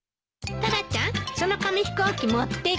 タラちゃんその紙飛行機持ってきて。